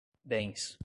bens